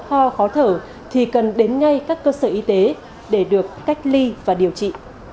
ho khó thở thì cần đến ngay các cơ sở y tế để được cách ly và điều trị